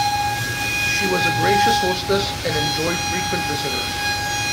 She was a gracious hostess and enjoyed frequent visitors.